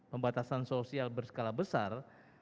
pembatasan sosial berskala besar